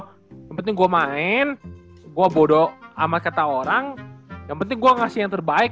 hai benteng gue main gue bodo ama kata orang yang penting gua ngasih yang terbaik